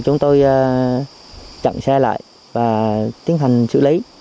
chúng tôi chặn xe lại và tiến hành xử lý